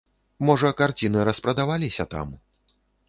Можа, карціны распрадаваліся там?